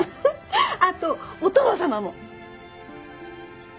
あとお殿様も！